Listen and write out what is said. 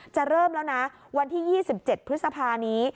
เริ่มแล้วนะวันที่๒๗พฤษภานี้